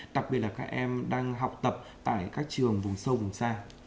đặc biệt là các em đang học tập tại các trường vùng sâu vùng xa